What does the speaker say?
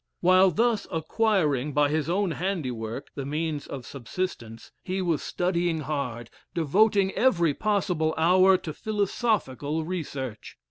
While thus acquiring, by his own handiwork, the means of subsistence, he was studying hard, devoting every possible hour to philosophical research.